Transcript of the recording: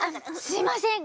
すいません。